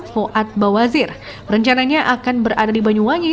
fuad bawazir rencananya akan berada di banyuwangi